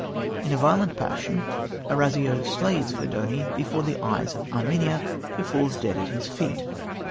In a violent passion Orazio slays Verdoni before the eyes of Erminia, who falls dead at his feet.